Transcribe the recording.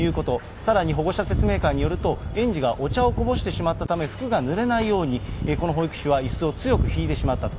さらに保護者説明会によると、園児がお茶をこぼしてしまったため、服がぬれないようにこの保育士はいすを強く引いてしまったと。